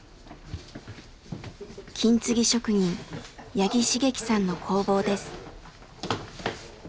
金継ぎ職人八木茂樹さんの工房です。